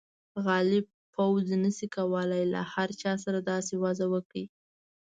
غالب پوځ نه شي کولای له هر چا سره داسې وضعه وکړي.